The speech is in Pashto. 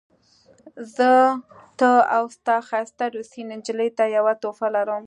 زه تا او ستا ښایسته روسۍ نجلۍ ته یوه تحفه لرم